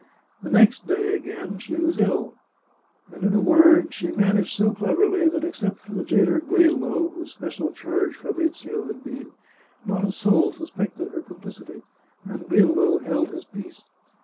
The next day, again, she was ill, and, in a word, she managed so cleverly that, except for the jailer Grillo, whose special charge Fabrizio had been, not a soul suspected her complicity, and Grillo held his peace.